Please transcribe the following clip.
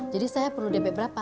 jadi saya perlu dp berapa